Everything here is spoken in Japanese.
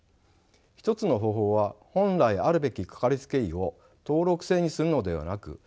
一つの方法は本来あるべきかかりつけ医を登録制にするのではなく選択